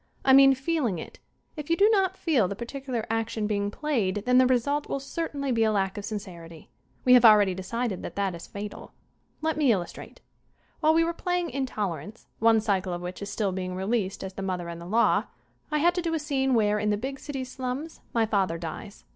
I mean feeling it. If you do not feel the particu lar action being played then the result will cer tainly be a lack of sincerity. We have already decided that that is fatal. Let me illustrate : While we were playing "Intolerance," one cycle of which is still being released as "The Mother and the Law," I had to do a scene where, in the big city's slums, my father dies.